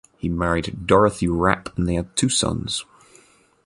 He married Dorothy Rapp and they had two sons.